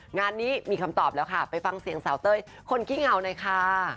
งานนี้มีคำตอบแล้วค่ะไปฟังเสียงสาวเต้ยคนขี้เหงาหน่อยค่ะ